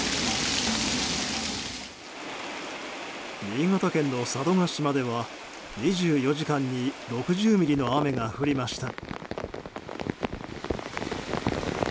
新潟県の佐渡島では２４時間に６０ミリの雨が降りました。